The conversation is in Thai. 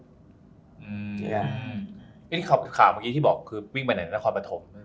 คุณขอบคุณข่าวเมื่อกี้ที่บอกว่าวิ่งไปไหนก็ความประถม